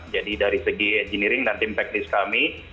jadi dari segi engineering dan tim teknis kami